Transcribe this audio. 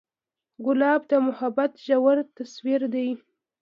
ګلاب د محبت ژور تصویر دی.